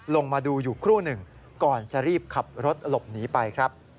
ลงมาดูอยู่ครู่หนึ่งก่อนจะรีบขับรถหลบหนีไปครับ